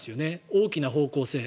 大きな方向性。